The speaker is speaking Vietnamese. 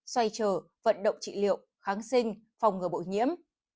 xoay trở vận động trị liệu kháng sinh phòng ngừa bội nhiễm